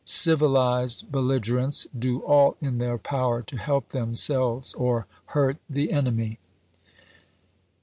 Civilized belliger ents do all in their power to help themselves or hurt the enemy."